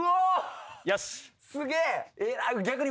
すげえ。